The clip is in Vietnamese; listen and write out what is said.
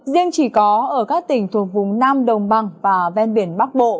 riêng chỉ có ở các tỉnh thuộc vùng nam đồng bằng và ven biển bắc bộ